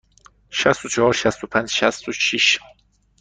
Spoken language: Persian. شصت و چهار، شصت و پنج، شصت و شش.